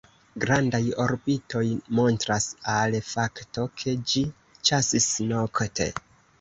Grandaj orbitoj montras al fakto, ke ĝi ĉasis nokte.